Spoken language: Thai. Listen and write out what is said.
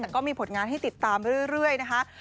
แต่ก็มีผลงานให้ติดตามไปเรื่อยนะคะ